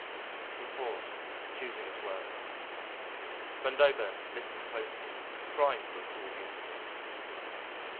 He paused, choosing his words. Vandover listened closely, trying to recall the incident.